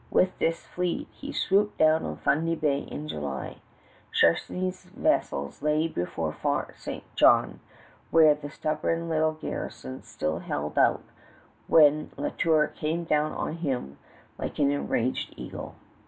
With this fleet he swooped down on Fundy Bay in July. Charnisay's vessels lay before Fort St. John, where the stubborn little garrison still held out, when La Tour came down on him like an enraged eagle.